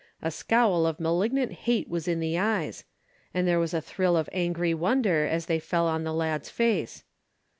A scowl of malignant hate was in the eyes, and there was a thrill of angry wonder as they fell on the lad's face.